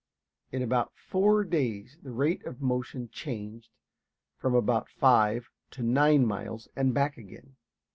In about four days the rate of motion changed from about five to nine miles and back again.